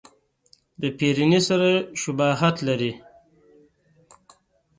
د فرني سره شباهت لري.